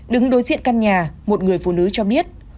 đứng đối diện căn nhà một người phụ nữ cho biết